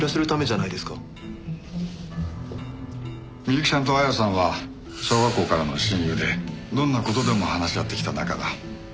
美雪さんと亜矢さんは小学校からの親友でどんな事でも話し合ってきた仲だ。